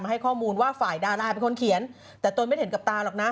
ให้ข้อมูลว่าฝ่ายดาราเป็นคนเขียนแต่ตนไม่เห็นกับตาหรอกนะ